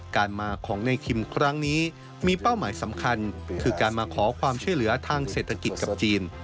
การมาของในคิมครั้งนี้มีเป้าหมายสำคัญคือการมาขอความช่วยเหลือทางเศรษฐกิจกับจีน